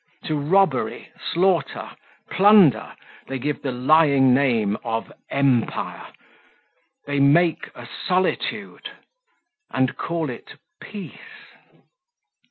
To robbery, slaughter, plunder, they give the lying name of empire; they make a solitude and call it peace.